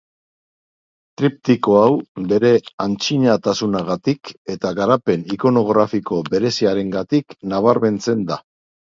Triptiko hau bere antzinatasunagatik eta garapen ikonografiko bereziarengatik nabarmentzen da.